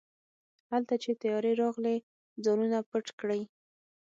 هلته چې طيارې راغلې ځانونه پټ کړئ.